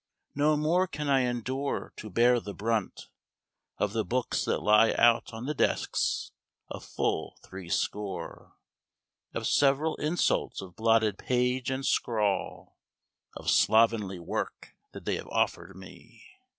No more can I endure to bear the brunt Of the books that lie out on the desks: a full three score Of several insults of blotted page and scrawl Of slovenly work that they have offered me.